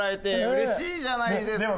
うれしいじゃないですか！